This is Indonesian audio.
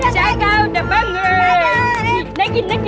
saya udah bangun